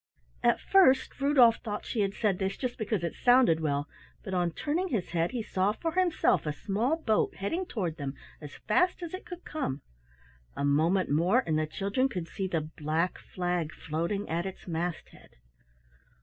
At first Rudolf thought she had said this just because it sounded well, but on turning his head he saw for himself a small boat heading toward them as fast as it could come. A moment more and the children could see the black flag floating at its masthead.